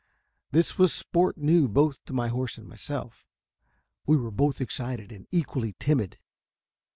This was sport new both to my horse and myself. We were both excited and equally timid.